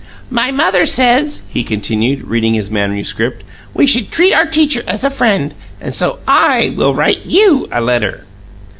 "'My mother says,'" he continued, reading his manuscript, "'we should treat our teacher as a friend, and so I will write YOU a letter.'"